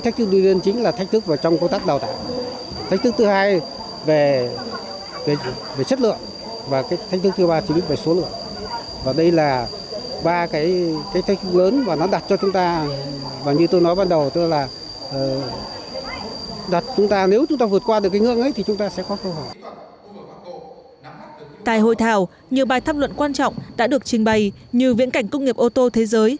tại hội thảo nhiều bài tham luận quan trọng đã được trình bày như viễn cảnh công nghiệp ô tô thế giới